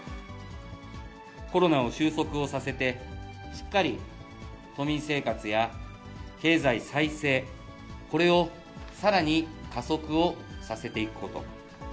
コロナを収束をさせて、しっかり都民生活や経済再生、これをさらに加速をさせていくこと。